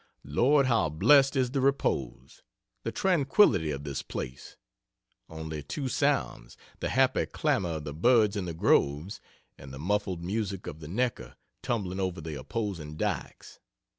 Lord, how blessed is the repose, the tranquillity of this place! Only two sounds; the happy clamor of the birds in the groves, and the muffled music of the Neckar, tumbling over the opposing dykes.